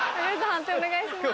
判定お願いします。